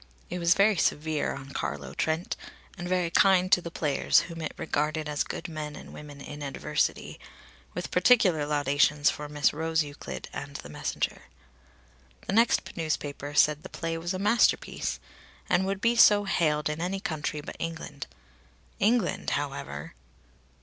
It was very severe on Carlo Trent, and very kind to the players, whom it regarded as good men and women in adversity with particular laudations for Miss Rose Euclid and the Messenger. The next newspaper said the play was a masterpiece, and would be so hailed in any country but England. England, however